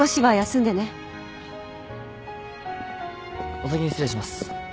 お先に失礼します。